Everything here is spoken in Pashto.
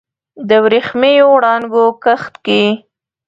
د وریښمېو وړانګو کښت کې